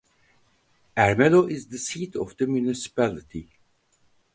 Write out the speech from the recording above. Ermelo is the seat of the municipality.